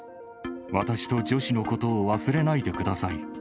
私とジョシのことを忘れないでください。